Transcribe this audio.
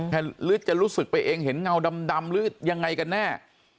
หรือจะรู้สึกไปเองเห็นเงาดำหรือยังไงกันแน่